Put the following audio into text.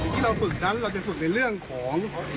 ที่เราฝึกนั้นเราจะฝึกในเรื่องของ